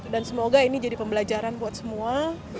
dan semoga ini jadi pembelajaran buat semua